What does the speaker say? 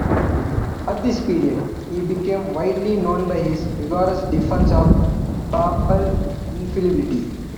At this period he became widely known by his vigorous defence of papal infallibility.